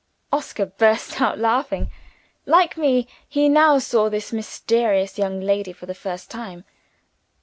Oscar burst out laughing. Like me, he now saw this mysterious young lady for the first time.